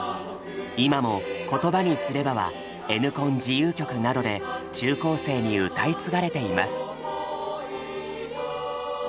今も「言葉にすれば」はＮコン自由曲などで中高生に歌い継がれています。